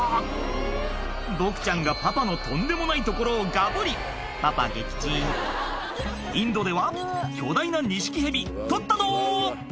ボクちゃんがパパのとんでもない所をガブリパパ撃チンインドでは巨大なニシキヘビ取ったど！